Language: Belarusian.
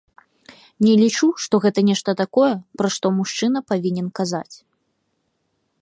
Не лічу, што гэта нешта такое, пра што мужчына павінен казаць.